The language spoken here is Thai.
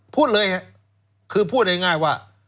พูดเลยครับคือพูดง่ายว่า